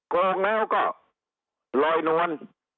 โกงแล้วก็ลอยนวล